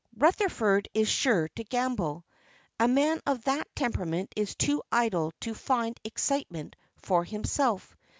Rutherford is sure to gamble. A man of that temperament is too idle to find excitement for himself.